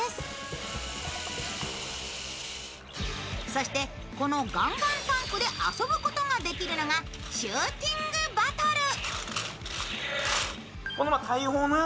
そして、このガンガンタンクで遊ぶことができるのがシューティングバトル。